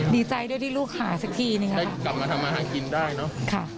ดีใจด้วยที่ลูกหาสักทีนะครับ